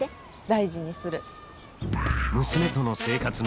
大事にする。